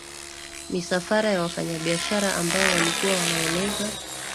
misafara ya wafanyabiashara ambao walikuwa wanaeneza